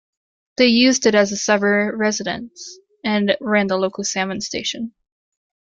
They used it as a summer residence and ran the local salmon station.